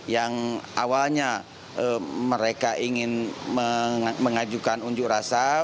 yang awalnya mereka ingin mengajukan unjuk rasa